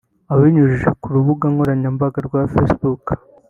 Abinyujije ku rubuga nkoranyambaga rwa Facebook